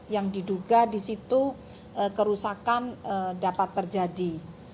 yang diduga di situ kerusakan dapat terjadi